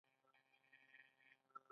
د میرمنو کار د ودونو عمر لوړوي.